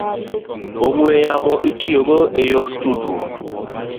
ong'we yamo itiyogo e yor tudruok.